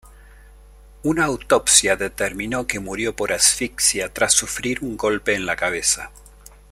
Una autopsia determinó que murió por asfixia tras sufrir un golpe en la cabeza.